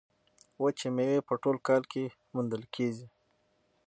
وچې میوې په ټول کال کې موندل کیږي.